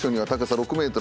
６ｍ